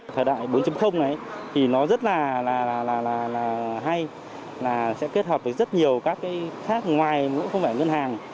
thời đại bốn này thì nó rất là hay là sẽ kết hợp với rất nhiều các cái khác ngoài cũng không phải ngân hàng